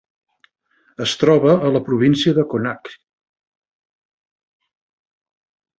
Es troba a la província de Connacht.